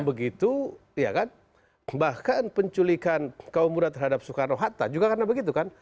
enam puluh enam begitu bahkan penculikan kaum muda terhadap soekarno hatta juga karena begitu kan